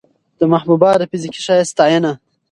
د محبوبا د فزيکي ښايست ستاينه